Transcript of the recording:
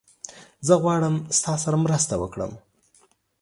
زه غواړم تاسره مرسته وکړم